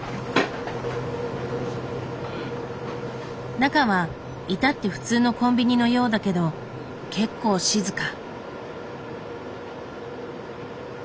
中は至って普通のコンビニのようだけど結構静か。